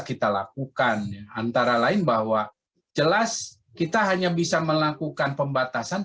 kita lakukan antara lain bahwa jelas kita hanya bisa melakukan pembatasan